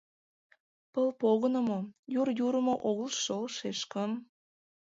Пыл погынымо — йӱр йӱрмӧ огыл шол, шешкым.